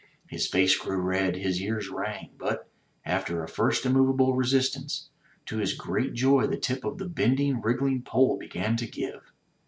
His face grew red, his ears rang, but, after a first immovable resistance, to his great joy the tip of the bending, wriggling pole began to give.